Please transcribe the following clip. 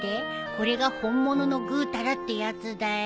これが本物のぐうたらってやつだよ。